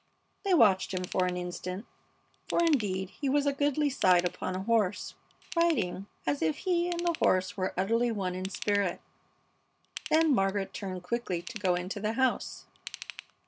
They watched him for an instant, for, indeed, he was a goodly sight upon a horse, riding as if he and the horse were utterly one in spirit; then Margaret turned quickly to go into the house.